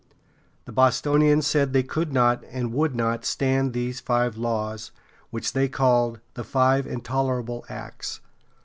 The Bostonians said they could not, and would not, stand these five laws, which they called the "five intolerable acts."